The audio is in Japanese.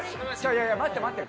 いやいや待って待って。